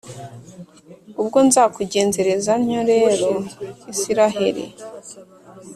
Ubwo nzakugenzereza ntyo rero, Israheli,